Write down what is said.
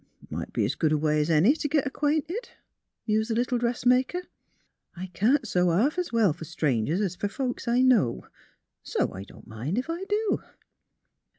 '' Might be's good a way 's any t' git ac quainted," mused the little dressmaker. " I can't sew ha'f s' well fer strangers 's fer folks I know; s' I don't mind ef I do."